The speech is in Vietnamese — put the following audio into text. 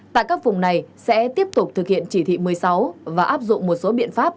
tại các vùng này sẽ tiếp tục thực hiện chỉ thị một mươi sáu và áp dụng một số biện pháp